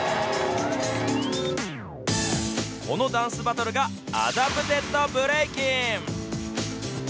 このダンスバトルがアダプテッドブレイキン。